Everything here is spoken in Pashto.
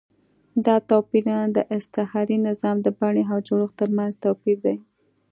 دا توپیرونه د استثاري نظام د بڼې او جوړښت ترمنځ توپیر دی.